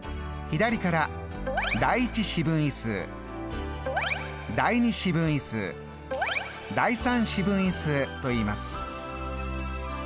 左から第１四分位数第２四分位数第３四分位数といいます。